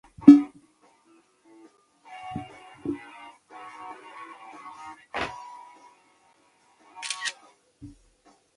看着似人建模能不笑也是神人